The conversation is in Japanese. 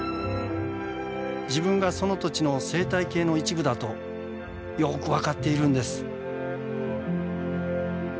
自分がその土地の生態系の一部だとよく分かっているんです。